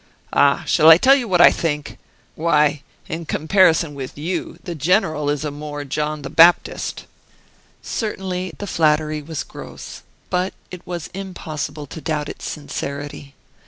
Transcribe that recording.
Ah! shall I tell you what I think? Why, in comparison with you, the General is a mere John the Baptist." Certainly the flattery was gross, but it was impossible to doubt its sincerity.